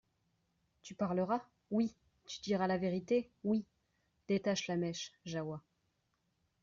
Tu parleras ? Oui ! Tu diras la vérité ? Oui ! Détache la mèche, Jahoua.